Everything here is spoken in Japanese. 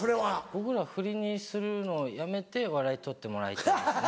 僕らをふりにするのをやめて笑いとってもらいたいですね。